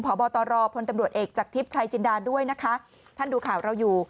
พบตรพลตำรวจเอกจากทิพย์ชายจินดาด้วยนะคะท่านดูข่าวเราอยู่